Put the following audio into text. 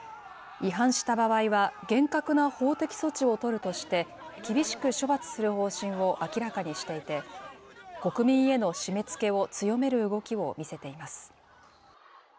違反した場合は、厳格な法的措置を取るとして、厳しく処罰する方針を明らかにしていて、国民への締めつけを強める動きを見せています。